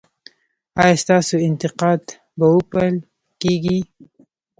ایا ستاسو انتقاد به وپل کیږي؟